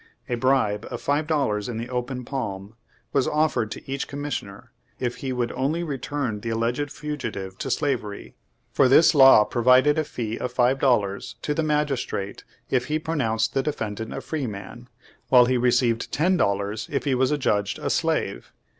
A bribe of five dollars in the open palm was offered to each commissioner if he would only return the alleged fugitive to slavery, for this law provided a fee of five dollars to the magistrate if he pro nounced the defendant a free man, while he re ceived ten dollars if he was adjudged a slave.